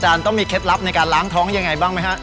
ต้องมีเคล็ดลับในการล้างท้องยังไงบ้างไหมฮะ